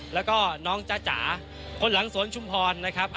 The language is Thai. แล้วก็น้องจ๊ะจ๋าคนหลังสวนชุมพรนะครับ